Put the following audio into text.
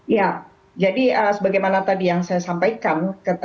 ya jadi sebagaimana tadi yang saya sampaikan